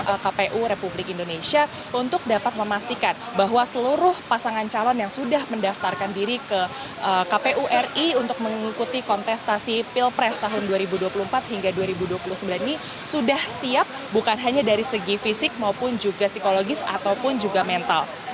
kepala rumah sakit pusat angkatan darat akan mencari teman teman yang bisa untuk dapat memastikan bahwa seluruh pasangan calon yang sudah mendaftarkan diri ke kpu ri untuk mengikuti kontestasi pilpres tahun dua ribu dua puluh empat hingga dua ribu dua puluh sembilan ini sudah siap bukan hanya dari segi fisik maupun juga psikologis ataupun juga mental